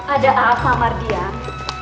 ada apa mardian